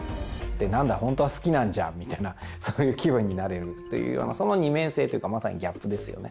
「なんだ本当は好きなんじゃん」みたいなそういう気分になれるというようなその二面性というかまさにギャップですよね。